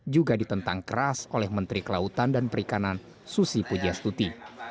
juga ditentang keras oleh menteri kelautan dan perikanan susi pujastuti